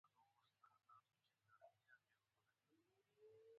حسد کول بد دي